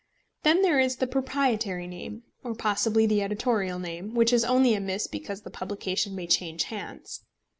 Then there is the proprietary name, or possibly the editorial name, which is only amiss because the publication may change hands.